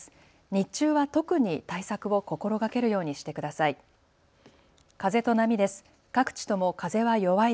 日中は特に対策を心がけるようにしてください。